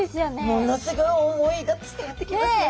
ものすごい思いが伝わってきますね。